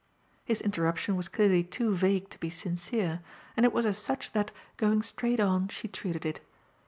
His interruption was clearly too vague to be sincere, and it was as such that, going straight on, she treated it.